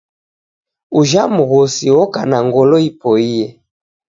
Ujha mghosi oka na ngolo ipoie